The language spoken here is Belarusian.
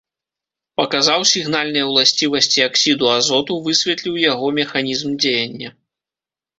Паказаў сігнальныя ўласцівасці аксіду азоту, высветліў яго механізм дзеяння.